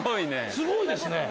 すごいですね。